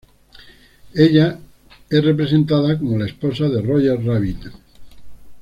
Ella es representada como la esposa de Roger Rabbit.